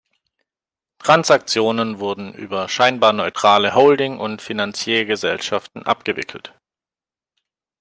Transaktionen wurden über scheinbar neutrale Holding- und Finanzier-Gesellschaften abgewickelt.